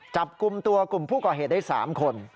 จับกลุ่มตัวกลุ่มผู้ก่อเหตุได้๓คน